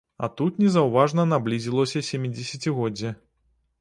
А тут незаўважна наблізілася сямідзесяцігоддзе.